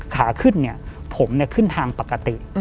ขาขึ้นผมขึ้นทางปกติ